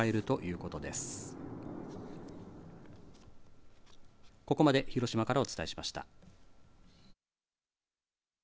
ここまで広島からお伝えしました。